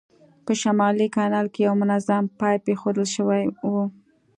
په شمالي کانال کې یو منظم پایپ اېښودل شوی و.